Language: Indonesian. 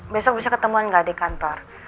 besok bisa ketemuan nggak di kantor